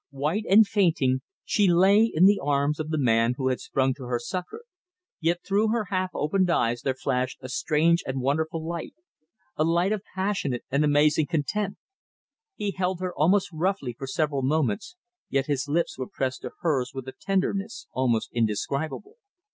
White and fainting, she lay in the arms of the man who had sprung to her succour, yet through her half opened eyes there flashed a strange and wonderful light a light of passionate and amazing content. He held her, almost roughly, for several moments, yet his lips were pressed to hers with a tenderness almost indescribable.